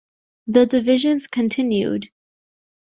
The divisions continued.